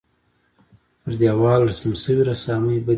پر دېوال رسم شوې رسامۍ بدې نه وې.